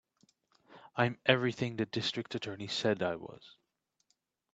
I'm everything the District Attorney said I was.